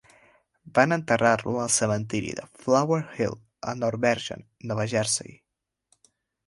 Van enterrar-lo al cementiri de Flower Hill a North Bergen, Nova Jersey.